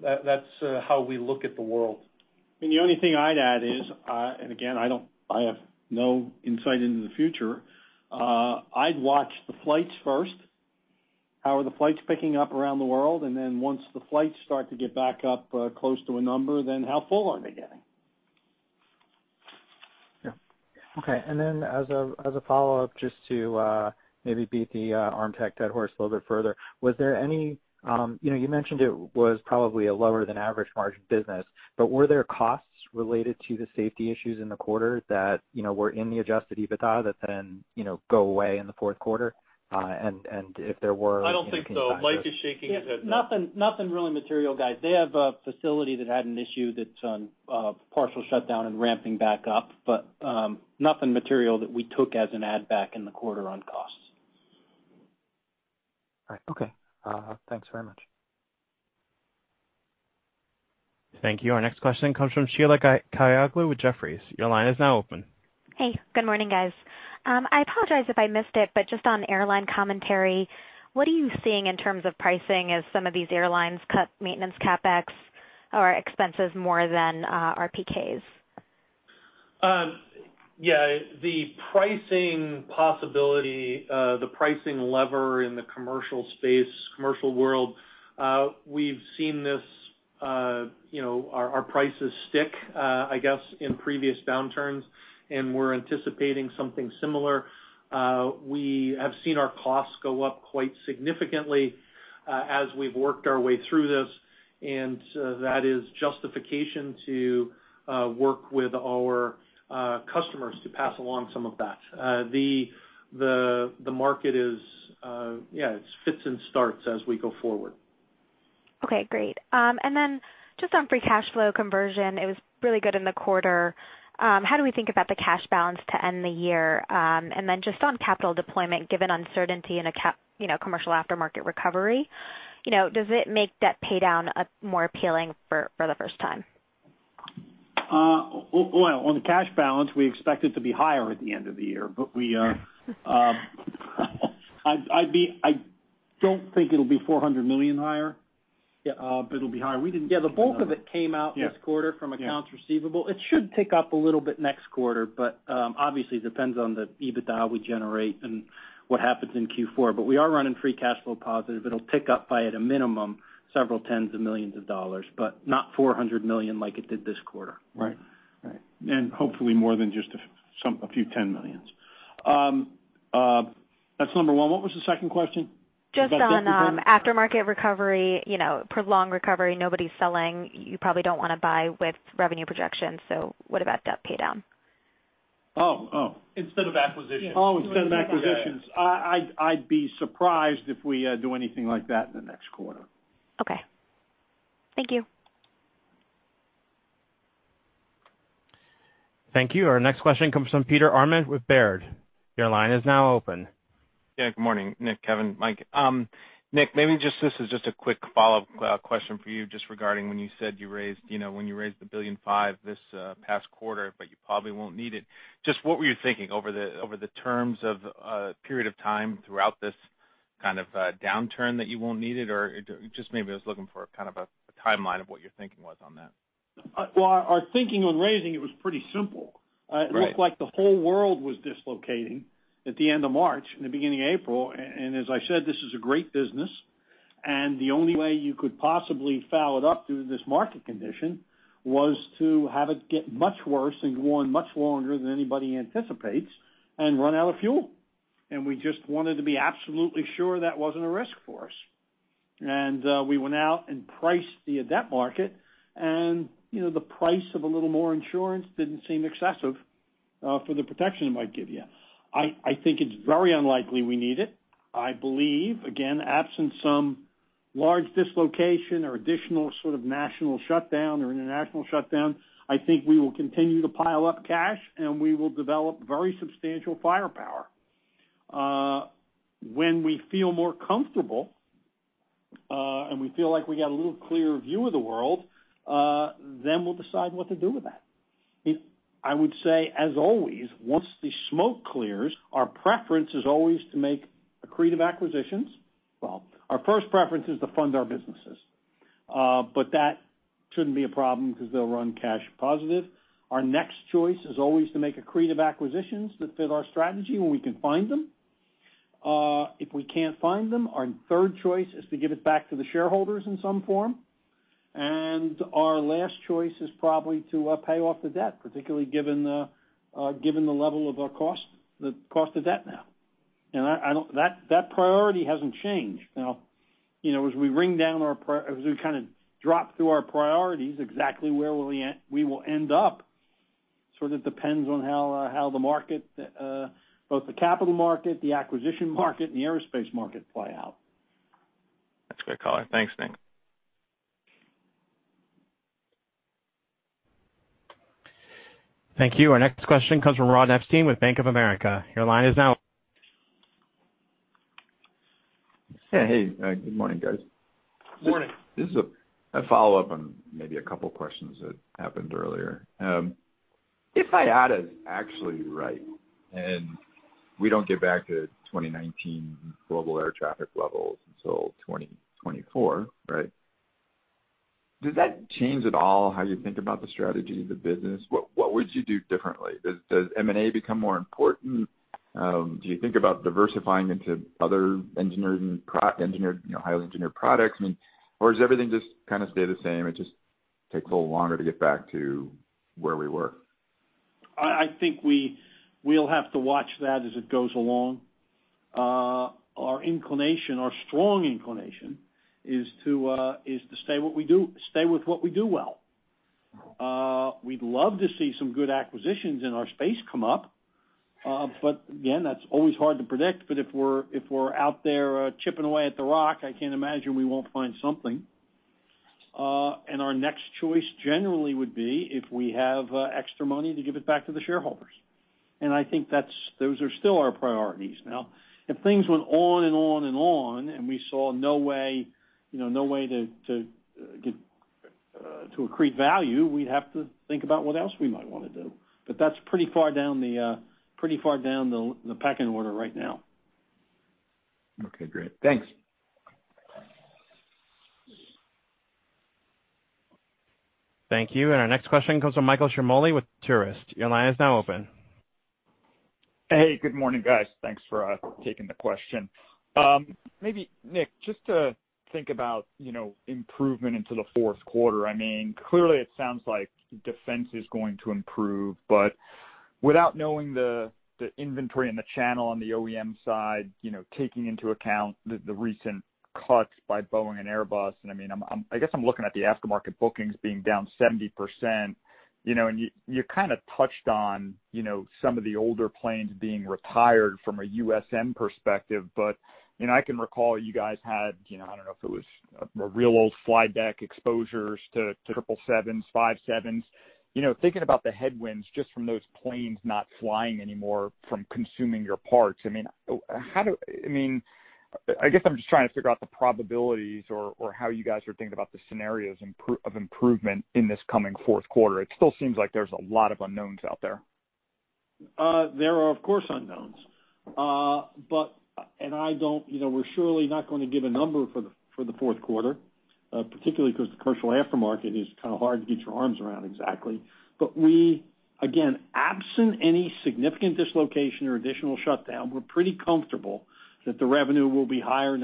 That's how we look at the world. The only thing I'd add is that, again, I have no insight into the future. I'd watch the flights first. How are the flights picking up around the world? Once the flights start to get back up close to a number, then how full are they getting? Yeah. Okay, as a follow-up, just to maybe beat the Armtec dead horse a little bit further. You mentioned it was probably a lower-than-average margin business, were there costs related to the safety issues in the quarter that were in the adjusted EBITDA that then go away in the fourth quarter? I don't think so. Mike is shaking his head no. Nothing really material, guys. They have a facility that had an issue that's on partial shutdown and ramping back up, but nothing material that we took as an add back in the quarter on costs. All right. Okay. Thanks very much. Thank you. Our next question comes from Sheila Kahyaoglu with Jefferies. Your line is now open. Hey, good morning, guys. I apologize if I missed it, but just on airline commentary, what are you seeing in terms of pricing as some of these airlines cut maintenance CapEx or expenses more than RPKs? Yeah. The pricing possibility, the pricing lever in the commercial space, the commercial world—we've seen our prices stick, I guess, in previous downturns, and we're anticipating something similar. We have seen our costs go up quite significantly as we've worked our way through this, and that is justification to work with our customers to pass along some of that. The market is, yeah, it's fits and starts as we go forward. Okay, great. Just on free cash flow conversion, it was really good in the quarter. How do we think about the cash balance to end the year? Just on capital deployment, given uncertainty in a commercial aftermarket recovery, does it make debt paydown more appealing for the first time? Well, on the cash balance, we expect it to be higher at the end of the year. I don't think it'll be $400 million higher. Yeah. It'll be higher. We didn't. Yeah, the bulk of it came out this quarter. Yeah from accounts receivable. It should tick up a little bit next quarter, but it obviously depends on the EBITDA we generate and what happens in Q4. We are running free-cash-flow positive. It'll tick up by, at a minimum, several tens of millions of dollars, but not $400 million like it did this quarter. Right. Right. Hopefully more than just a few $10 million. That's number one. What was the second question? About debt pay down? Just on aftermarket recovery, prolonged recovery, nobody's selling. You probably don't want to buy with revenue projections, so what about debt pay down? Oh. Instead of acquisitions. Yes. Oh, instead of acquisitions. I'd be surprised if we do anything like that in the next quarter. Okay. Thank you. Thank you. Our next question comes from Peter Arment with Baird. Your line is now open. Yeah, good morning, Nick, Kevin, and Mike. Nick, maybe this is just a quick follow-up question for you just regarding when you said you raised the $1.5 billion this past quarter. You probably won't need it. Just what were you thinking over the terms of a period of time throughout this kind of downturn that you won't need it? Just maybe I was looking for kind of a timeline of what your thinking was on that. Well, our thinking on raising it was pretty simple. Right. It looked like the whole world was dislocating at the end of March and the beginning of April. As I said, this is a great business, the only way you could possibly foul it up due to this market condition was to have it get much worse and go on much longer than anybody anticipates and run out of fuel. We just wanted to be absolutely sure that wasn't a risk for us. We went out and priced the debt market and the price of a little more insurance didn't seem excessive for the protection it might give you. I think it's very unlikely we need it. I believe, again, absent some large dislocation or additional sort of national shutdown or international shutdown, I think we will continue to pile up cash, and we will develop very substantial firepower. When we feel more comfortable, and we feel like we got a little clearer view of the world, then we'll decide what to do with that. I would say, as always, once the smoke clears, our preference is always to make accretive acquisitions. Well, our first preference is to fund our businesses. That shouldn't be a problem because they'll run cash positive. Our next choice is always to make accretive acquisitions that fit our strategy when we can find them. If we can't find them, our third choice is to give it back to the shareholders in some form. Our last choice is probably to pay off the debt, particularly given the level of our cost, the cost of debt now. That priority hasn't changed. Now, as we kind of drop through our priorities, exactly where we will end up sort of depends on how the market, both the capital market, the acquisition market, and the aerospace market play out. That's a good caller. Thanks, Nick. Thank you. Our next question comes from Ronald Epstein with Bank of America. Your line is now open. Hey. Good morning, guys. Good morning. This is a follow-up on maybe a couple of questions that happened earlier. If IATA's actually right, we don't get back to 2019 global air traffic levels until 2024, right? Does that change at all how you think about the strategy of the business? What would you do differently? Does M&A become more important? Do you think about diversifying into other highly engineered products? I mean, does everything just kind of stay the same, it just takes a little longer to get back to where we were? I think we'll have to watch that as it goes along. Our inclination, our strong inclination, is to stay with what we do well. We'd love to see some good acquisitions in our space come up. Again, that's always hard to predict. If we're out there chipping away at the rock, I can't imagine we won't find something. Our next choice generally would be if we have extra money to give it back to the shareholders. I think those are still our priorities. Now, if things went on and on, and we saw no way to accrue value, we'd have to think about what else we might want to do. That's pretty far down the pecking order right now. Okay, great. Thanks. Thank you. Our next question comes from Michael Schirrmacher with Truist. Your line is now open. Hey, good morning, guys. Thanks for taking the question. Maybe Nick, just to think about improvement into the fourth quarter. Clearly it sounds like defense is going to improve, but without knowing the inventory and the channel on the OEM side, taking into account the recent cuts by Boeing and Airbus, I guess I'm looking at the aftermarket bookings being down 70%. You kind of touched on some of the older planes being retired from a USM perspective, but I can recall you guys had, I don't know if it was a real old flight deck exposures to triple sevens, five sevens. Thinking about the headwinds just from those planes not flying anymore, from consuming your parts. I guess I'm just trying to figure out the probabilities or how you guys are thinking about the scenarios of improvement in this coming fourth quarter. It still seems like there's a lot of unknowns out there. There are, of course, unknowns. We're surely not going to give a number for the fourth quarter, particularly because the commercial aftermarket is kind of hard to get your arms around exactly. We, again, absent any significant dislocation or additional shutdown, we're pretty comfortable that the revenue will be higher in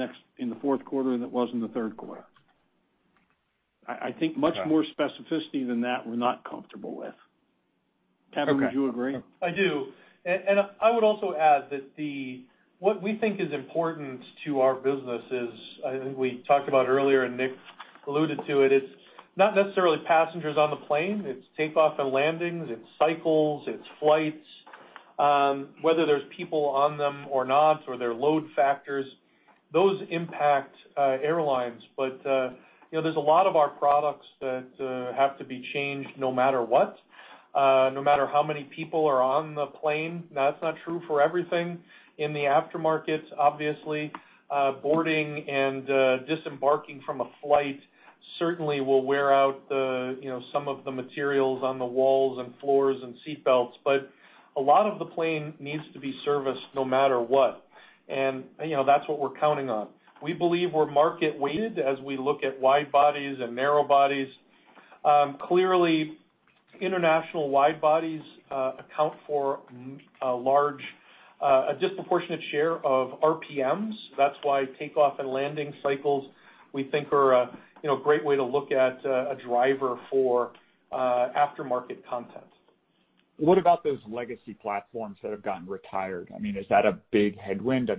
the fourth quarter than it was in the third quarter. I think much more specificity than that we're not comfortable with. Kevin, would you agree? I do. I would also add that what we think is important to our business is, I think we talked about earlier and Nick alluded to it's not necessarily passengers on the plane, it's takeoff and landings, it's cycles, it's flights. Whether there's people on them or not, or their load factors, those impact airlines. There's a lot of our products that have to be changed no matter what, no matter how many people are on the plane. That's not true for everything in the aftermarket, obviously. Boarding and disembarking from a flight certainly will wear out some of the materials on the walls and floors and seat belts, but a lot of the plane needs to be serviced no matter what. That's what we're counting on. We believe we're market weighted as we look at wide bodies and narrow bodies. Clearly, international wide bodies account for a disproportionate share of RPMs. That's why takeoff and landing cycles, we think are a great way to look at a driver for aftermarket content. What about those legacy platforms that have gotten retired? Is that a big headwind?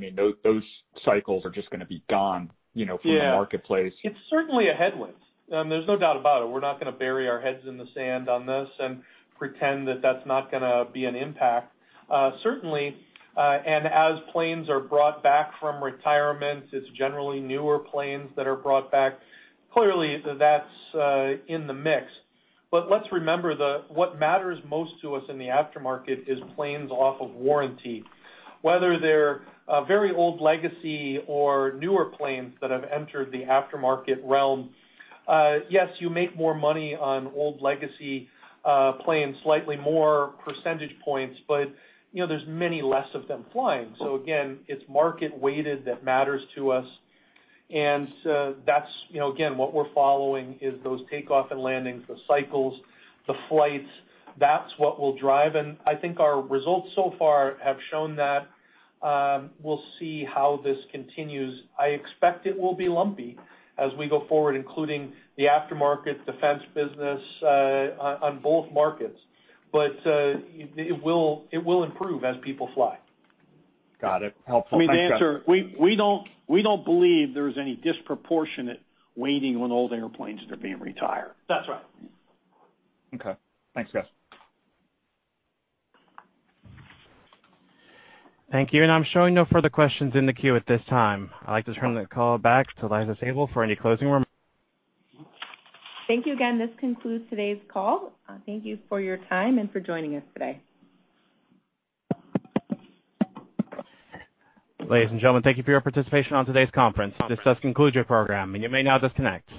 Those cycles are just going to be gone from the marketplace. It's certainly a headwind. There's no doubt about it. We're not going to bury our heads in the sand on this and pretend that that's not going to be an impact. Certainly, as planes are brought back from retirement, it's generally newer planes that are brought back. Clearly, that's in the mix. Let's remember, what matters most to us in the aftermarket is planes off of warranty. Whether they're very old legacy or newer planes that have entered the aftermarket realm. Yes, you make more money on old legacy planes, slightly more percentage points, but there's many less of them flying. Again, it's market weighted that matters to us, and that's, again, what we're following is those takeoff and landings, the cycles, the flights. That's what we'll drive, and I think our results so far have shown that. We'll see how this continues. I expect it will be lumpy as we go forward, including the aftermarket defense business, on both markets. It will improve as people fly. Got it. Helpful. Thanks, guys. We don't believe there's any disproportionate weighting on old airplanes that are being retired. That's right. Okay, thanks guys. Thank you. I'm showing no further questions in the queue at this time. I'd like to turn the call back to Liza Sabol for any closing remarks. Thank you again. This concludes today's call. Thank you for your time and for joining us today. Ladies and gentlemen, thank you for your participation on today's conference. This does conclude your program, and you may now disconnect.